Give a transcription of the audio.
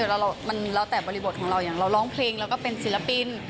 แล้วมันแล้วแต่บริบทของเราอย่างเราร้องเพลงเราก็เป็นศิลปิน